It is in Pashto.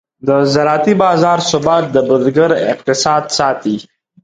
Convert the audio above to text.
د زراعتي بازار ثبات د بزګر اقتصاد ساتي.